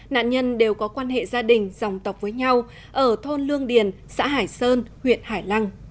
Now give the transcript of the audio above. nạn nhân đều có quan hệ gia đình dòng tộc với nhau ở thôn lương điền xã hải sơn huyện hải lăng